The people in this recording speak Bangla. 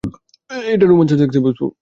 এটা রোমান্স আর সেক্সে ভরপুর।